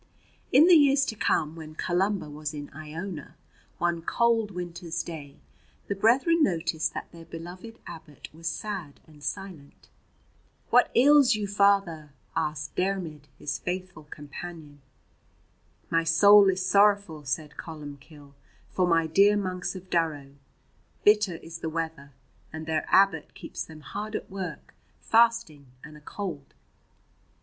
In the years to come, when Columba was in Iona, one cold winter's day the brethren noticed that their beloved abbot was sad and silent. "What ails you, Father?" asked Diarmaid, his faithful companion. "My soul is sorrowful," said Columbcille, "for my dear monks of Durrow. Bitter is the weather, and their abbot keeps them hard at work, fasting and a cold."